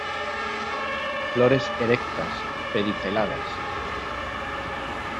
Flores erectas, pediceladas.